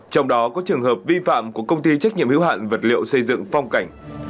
trong đó có trường hợp vi phạm của công ty trách nhiệm hữu hạn vật liệu xây dựng phong cảnh